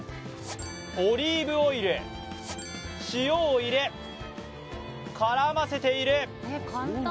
オリーブオイル、塩を入れ、絡ませている。